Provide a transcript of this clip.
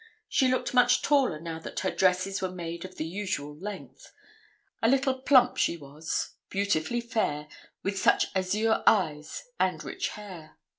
She looked much taller now that her dresses were made of the usual length. A little plump she was, beautifully fair, with such azure eyes, and rich hair.